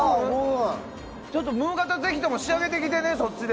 ちょっとムーガタぜひとも調べてきてね、そっちで。